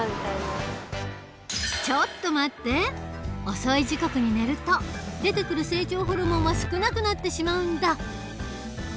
遅い時刻に寝ると出てくる成長ホルモンは少なくなってしまうんだ。